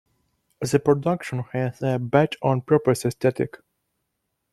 The production has a "bad-on-purpose aesthetic".